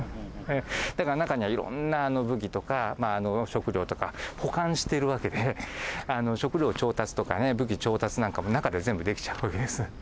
だから、中にはいろんな武器とか食料とか保管しているわけで食料調達とかね武器調達なんかも中で全部できちゃうわけです。